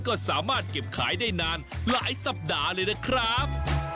ก็สามารถเก็บขายได้นานหลายสัปดาห์เลยนะครับ